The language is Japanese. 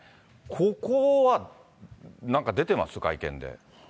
ここはなんか出てます？